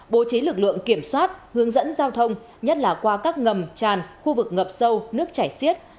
bố trí lực lượng kiểm soát hướng dẫn giao thông nhất là qua các ngầm tràn khu vực ngập sâu nước chảy xiết